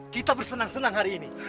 kita bersenang senang hari ini